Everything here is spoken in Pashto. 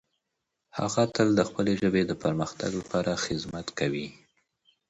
هغه تل د خپلې ژبې د پرمختګ لپاره خدمت کوي.